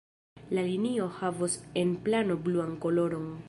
La linio havos en plano bluan koloron.